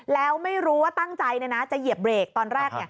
แล้วไม่รู้ว่าตั้งใจจะเหยียบเบรกตอนแรก